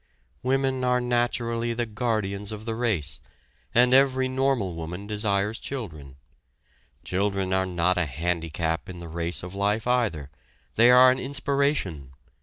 Women are naturally the guardians of the race, and every normal woman desires children. Children are not a handicap in the race of life either, they are an inspiration.